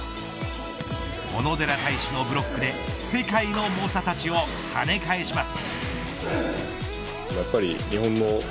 小野寺太志のブロックで世界の猛者たちを跳ね返します。